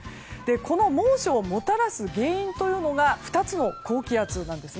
この猛暑をもたらす原因が２つの高気圧なんです。